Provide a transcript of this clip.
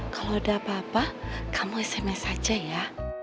kalau udah apa apa kamu sms aja ya